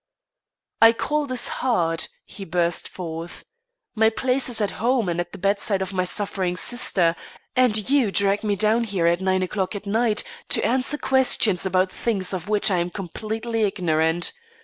"I call this hard," he burst forth. "My place is at home and at the bedside of my suffering sister, and you drag me down here at nine o'clock at night to answer questions about things of which I am completely ignorant.